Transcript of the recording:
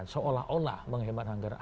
seolah olah menghemat anggaran